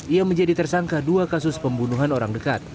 ia menjadi tersangka dua kasus pembunuhan orang dekat